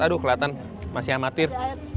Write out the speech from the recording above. aduh keliatan masih amatir